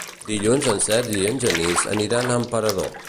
Dilluns en Sergi i en Genís aniran a Emperador.